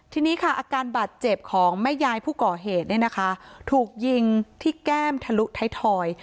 ทีนี้อาการบาดเจ็บของแม่ยายผู้ก่อเหตุถูกยิงที่แก้มทะลุไทยทอย